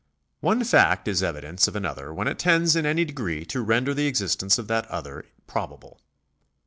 One fact is evidence of another when it tends in any degree to render the existence of that other probable.